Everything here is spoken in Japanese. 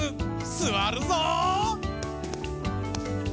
すわるぞう！